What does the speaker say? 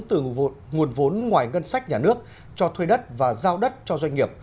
sử dụng nguồn vốn ngoài ngân sách nhà nước cho thuê đất và giao đất cho doanh nghiệp